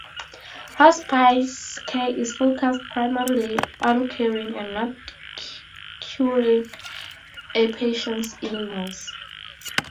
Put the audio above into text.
Hospice care is focused primarily on caring and not curing a patient's illness.